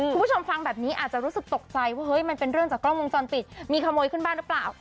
คุณผู้ชมฟังแบบนี้อาจจะรู้สึกตกใจว่าเฮ้ยมันเป็นเรื่องจากกล้องวงจรปิดมีขโมยขึ้นบ้านหรือเปล่า